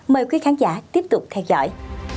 mời quý khán giả tiếp tục theo dõi